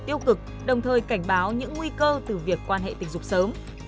tiêu cực đồng thời cảnh báo những nguy cơ từ việc quan hệ tình dục sớm